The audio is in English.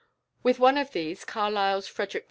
With one of these, Carlyle's "Frederick II.